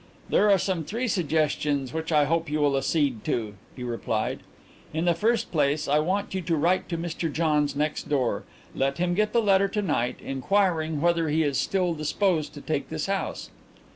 "There are some three suggestions which I hope you will accede to," he replied. "In the first place I want you to write to Mr Johns next door let him get the letter to night inquiring whether he is still disposed to take this house."